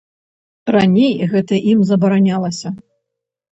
Раней гэта ім забаранялася.